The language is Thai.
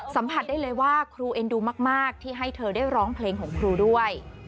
สัมผัสได้เลยว่าครูเอ็นดูมากที่ให้เธอได้ร้องเพลงของครูด้วย